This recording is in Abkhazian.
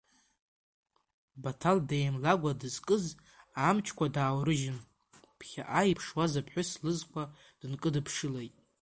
Баҭал деимлагәа дызкыз амчқәа дааурыжьын, ԥхьаҟа иԥшуаз аԥҳәыс лызқәа дынкыдыԥшылеит.